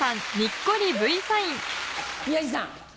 宮治さん。